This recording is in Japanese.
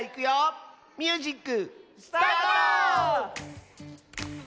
ミュージックスタート！